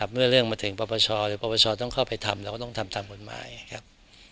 เมื่อเรื่องมาถึงปปชหรือปปชต้องเข้าไปทำเราก็ต้องทำตามกฎหมายครับ